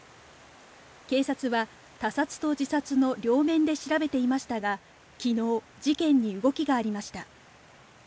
警察は他殺と自殺の両面で調べていましたが、きのう、事件に動きがありました。